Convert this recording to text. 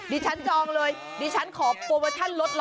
จองเลยดิฉันขอโปรโมชั่นลดละ